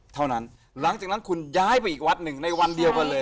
เท่านั้นหลังจากนั้นคุณย้ายไปอีกวัดหนึ่งในวันเดียวปะเลย